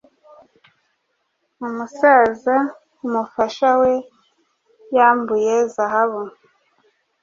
Umusaza umufasha we yambuye zahabu